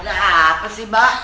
ada apa sih mbak